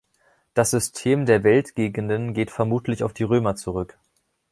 Das System der Weltgegenden geht vermutlich auf die Römer zurück.